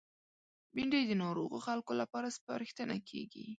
بېنډۍ د ناروغو خلکو لپاره سپارښتنه کېږي